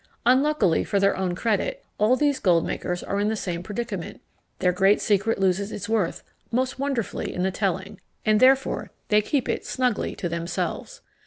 Unluckily for their own credit, all these gold makers are in the same predicament; their great secret loses its worth most wonderfully in the telling, and therefore they keep it snugly to themselves.